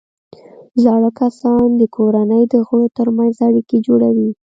زاړه کسان د کورنۍ د غړو ترمنځ اړیکې جوړوي